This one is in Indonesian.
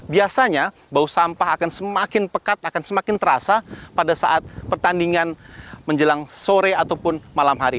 biasanya bau sampah akan semakin pekat akan semakin terasa pada saat pertandingan menjelang sore ataupun malam hari